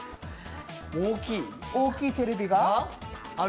大きいテレビがある。